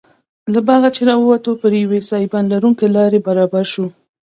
له باغه چې راووتو پر یوې سایبان لرونکې لارې وربرابر شوو.